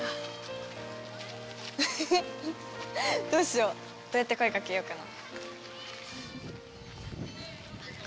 どうしよう、どうやって声かけようかな。